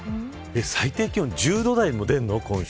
最低気温１０度台も出るの、今週。